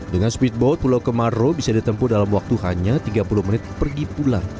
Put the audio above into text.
dengan speedboat pulau kemaro bisa ditempuh dalam waktu hanya tiga puluh menit pergi pulang